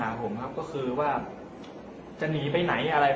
แล้วก็พอเล่ากับเขาก็คอยจับอย่างนี้ครับ